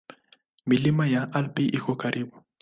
Milima ya Alpi iko karibu.